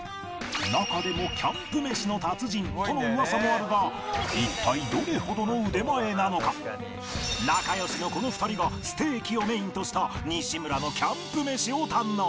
中でもキャンプ飯の達人との噂もあるが一体仲良しのこの２人がステーキをメインとした西村のキャンプ飯を堪能